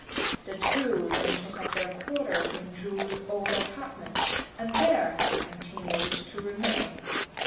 The two then took up their quarters in Chu's old apartments, and there they continued to remain.